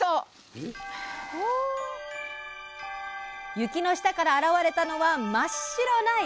雪の下から現れたのは真っ白な野菜。